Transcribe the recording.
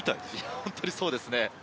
本当にそうですね。